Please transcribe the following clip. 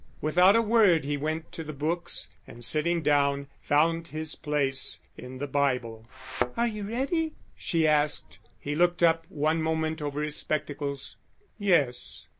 Without a word he went to the books, and sitting down, found his place in the Bible. "Are you ready?" she asked. He looked up one moment over his spectacles. "Yes."